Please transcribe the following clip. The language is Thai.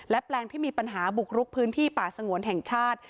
แปลงที่มีปัญหาบุกรุกพื้นที่ป่าสงวนแห่งชาติ